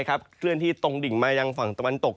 เคลื่อนที่ตรงดิ่งมายังฝั่งตะวันตก